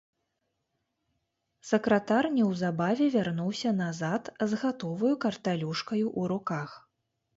Сакратар неўзабаве вярнуўся назад з гатоваю карталюшкаю ў руках.